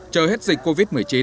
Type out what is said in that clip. chờ hết dịch covid một mươi chín